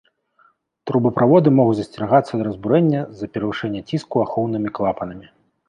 Трубаправоды могуць засцерагацца ад разбурэння з-за перавышэння ціску ахоўнымі клапанамі.